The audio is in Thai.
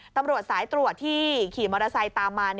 ตำรวจสายตรวจที่ขี่มอเตอร์ไซค์ตามมา